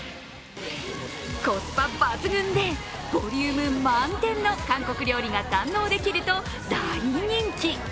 コスパ抜群で、ボリューム満点の韓国料理が堪能できると大人気。